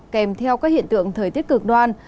kèm theo các hiện tượng thời tiết cực đoan